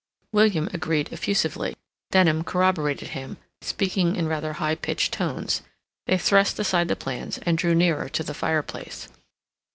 William agreed effusively; Denham corroborated him, speaking in rather high pitched tones; they thrust aside the plans, and drew nearer to the fireplace.